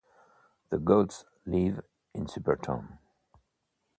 The gods live in Supertown.